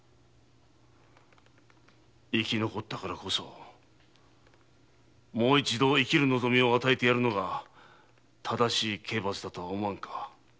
生き残ったからこそもう一度生きる望みを与えてやるのが正しい刑罰だとは思わんか。